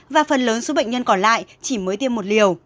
và phần lớn số bệnh nhân còn lại chỉ mới tiêm một liều